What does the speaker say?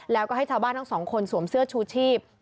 แล้วก็ให้ชาวบ้านทั้งสองคนสวมเสื้อชูชีพ